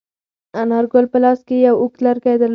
انارګل په لاس کې یو اوږد لرګی درلود.